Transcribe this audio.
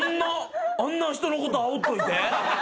あんな人のことあおっといて？